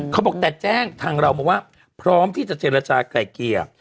เค้าบอกแต่แจ้งทางเรามาว่าพร้อมที่จะเจรจาไก่เกียร์